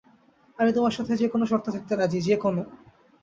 আমি তোমার সাথে যে কোনো শর্তে থাকতে রাজী, যে কোনো।